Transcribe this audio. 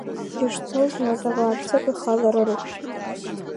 Ишцоз марда бааԥсык ахалара рықәшәеит.